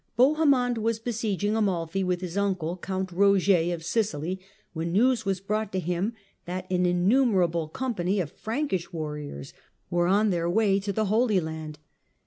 Bohemond was besieg ing Amalfi with his uncle, Count Eoger of Sicily, when news was brought to him that an innumerable company of Frankish warriors were on their way to the Holy Sepulchre.